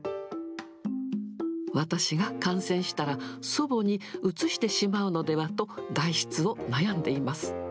私が感染したら、祖母にうつしてしまうのではと、外出を悩んでいます。